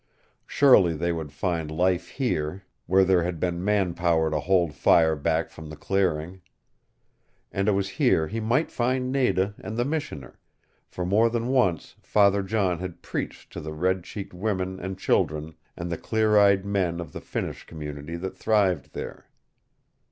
Surely they would find life here, where there had been man power to hold fire back from the clearing. And it was here he might find Nada and the Missioner, for more than once Father John had preached to the red cheeked women and children and the clear eyed men of the Finnish community that thrived there.